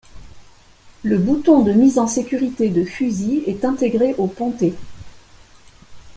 Le bouton de mise en sécurité de fusil est intégré au pontet.